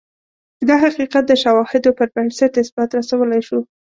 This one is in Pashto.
دا حقیقت د شواهدو پربنسټ اثبات رسولای شو.